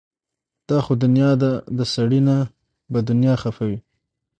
دا خو دنيا ده د سړي نه به دنيا خفه وي